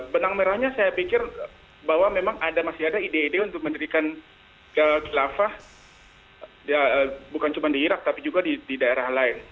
benang merahnya saya pikir bahwa memang masih ada ide ide untuk mendirikan khilafah bukan cuma di irak tapi juga di daerah lain